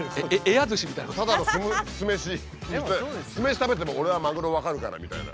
酢飯食べても俺はマグロ分かるからみたいな。